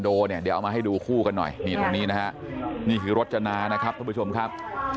เดี๋ยวเอามาให้ดูคู่กันหน่อยทางนี้นี่อยู่รถจานะนะครับเจ้าผู้ชมครับ